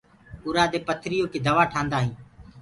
اورآ دي پٿريو ڪي دوآ ٺآندآ هينٚ۔